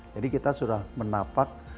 jadi kita sudah menapak